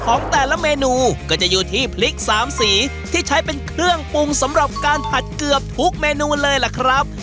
ของแต่ละเมนูก็จะอยู่ที่พริกสามสีที่ใช้เป็นเครื่องปรุงสำหรับการผัดเกือบทุกเมนูเลยล่ะครับ